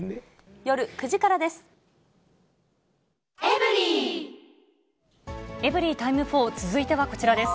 夜９時からです。